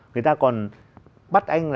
người ta còn bắt anh